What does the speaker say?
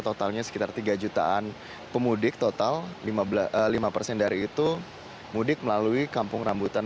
totalnya sekitar tiga jutaan pemudik total lima persen dari itu mudik melalui kampung rambutan